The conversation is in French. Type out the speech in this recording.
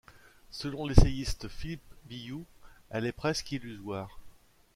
Selon l’essayiste Philippe Bihouix, elle est presque illusoire.